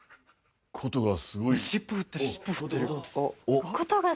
琴がすごい。